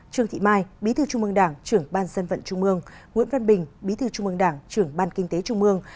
trương thị mai bí thư trung mương đảng trưởng ban dân vận trung mương nguyễn văn bình bí thư trung mương đảng trưởng ban kinh tế trung mương